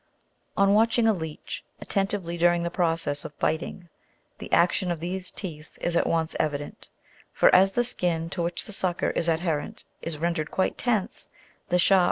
On watching a leech atten tively during the process of biting, the action of these teeth is at once evident ; for, as the skin to which the sucker is adherent is rendered quite tense, the sharp Fig.